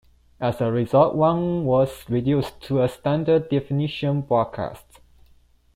As a result, One was reduced to a standard definition broadcast.